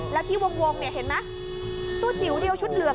แล้วที่วงเนี่ยเห็นไหมตัวจิ๋วเดียวชุดเหลือง